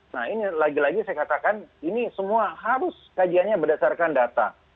nah ini lagi lagi saya katakan ini semua harus kajiannya berdasarkan data